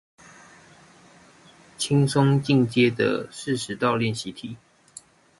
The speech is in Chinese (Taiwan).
輕鬆進階的四十道練習題